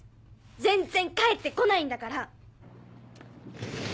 全然帰って来ないんだから！